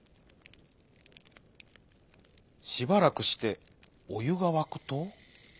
しばらくしておゆがわくと。